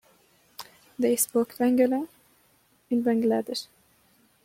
They spoke Bangla in Bangladesh.